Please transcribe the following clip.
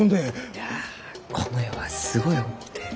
いやこの世はすごい思うて。